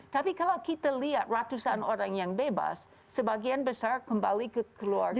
tapi kalau kita lihat ratusan orang yang bebas sebagian besar kembali ke keluarga